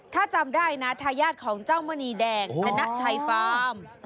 ถ้าจำได้นะทายาทของเจ้ามณีแดงธนชัยฟาร์ม